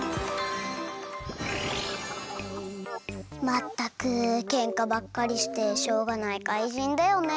まったくケンカばっかりしてしょうがないかいじんだよね。